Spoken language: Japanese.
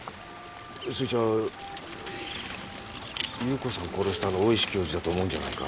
それじゃあ夕子さん殺したの大石教授だと思うんじゃないか？